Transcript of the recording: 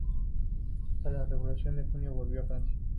Tras la Revolución de julio, volvió a Francia.